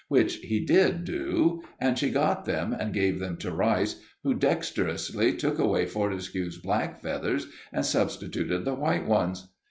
Which he did do, and she got them and gave them to Rice, who dexterously took away Fortescue's black feathers and substituted the white ones.